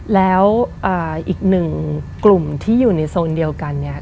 แล้วอีกหนึ่งกลุ่มที่อยู่ในโซนเดียวกันเนี่ย